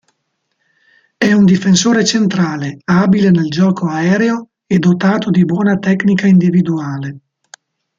È un difensore centrale, abile nel gioco aereo e dotato di buona tecnica individuale.